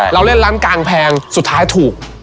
เราเล่นร้านกลางแพงสุดท้ายถูก